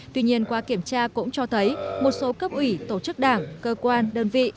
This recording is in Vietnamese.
tuy nhiên qua kiểm tra cũng cho thấy một số cấp ủy tổ chức đảng cơ quan đơn vị